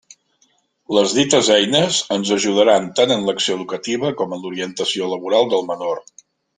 Les dites eines ens ajudaran tant en l'acció educativa com en l'orientació laboral del menor.